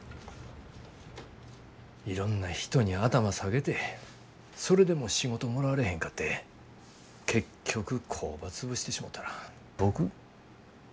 いろんな人に頭下げてそれでも仕事もらわれへんかって結局工場潰してしもたら僕何のために飛行機諦めたんやろ。